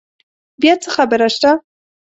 بیا څه خبره شته؟